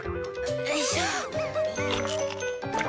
よいしょ！